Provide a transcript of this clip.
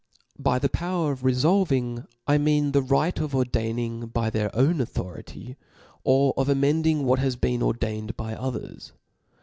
By the power of refolving^ I mean the right of ordaining by their own authority, or of amend ing what has been ordained by others.